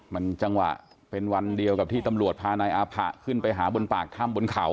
มันจังหวะเป็นวันเดียวกับที่ตำรวจพานายอาผะขึ้นไปหาบนปากถ้ำบนเขา